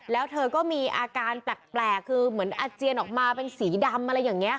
แล้วเธอก็มีอาการแปลกคือเหมือนอาเจียนออกมาเป็นสีดำอะไรอย่างนี้ค่ะ